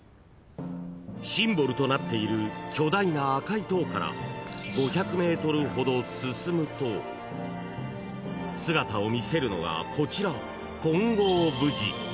［シンボルとなっている巨大な赤い塔から５００ｍほど進むと姿を見せるのがこちら］